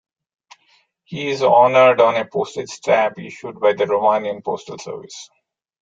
He is honored on a postage stamp issued by the Romanian Postal Service.